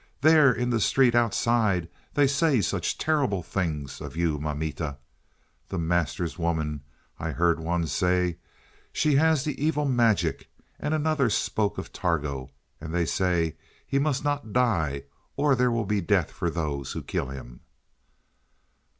"There in the street outside, they say such terrible things of you mamita. 'The master's woman' I heard one say, 'She has the evil magic.' And another spoke of Targo. And they say he must not die, or there will be death for those who kill him."